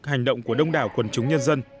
hành động của đông đảo quần chúng nhân dân